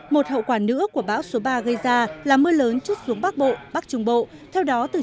một hậu quả nữa của bão số ba gây ra là mưa lớn chút xuống bắc bộ bắc trung bộ từ